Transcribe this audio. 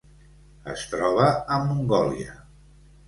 Es troba a Mongòlia.